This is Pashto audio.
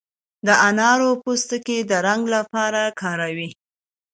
د انارو پوستکي د رنګ لپاره کاروي.